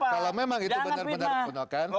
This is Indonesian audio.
kalau memang itu benar benar digunakan